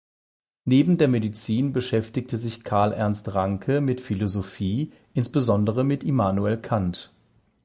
Neben der Medizin beschäftigte sich Karl Ernst Ranke mit Philosophie, insbesondere mit Immanuel Kant.